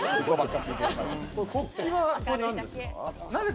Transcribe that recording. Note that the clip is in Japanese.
国旗はなんですか？